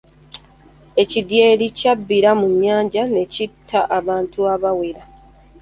Ekidyeri kyabbira mu nnyanja ne kitta abantu abawera.